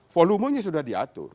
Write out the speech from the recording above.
volumenya sudah diatur